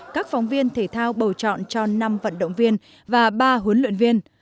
các phóng viên thể thao bầu chọn cho năm vận động viên và ba huấn luyện viên